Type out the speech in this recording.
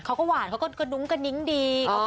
เขาก็หวานเขาก็กระดุ้งกระนิ้งดี